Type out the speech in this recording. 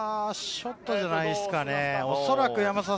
ショットじゃないですか？